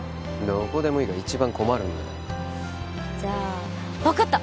どこでもいいが一番困るんだよじゃあ分かった！